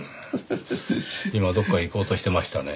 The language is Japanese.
今どこか行こうとしてましたね。